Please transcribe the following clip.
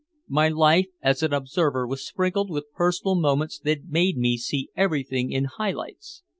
My life as an observer was sprinkled with personal moments that made me see everything in high lights.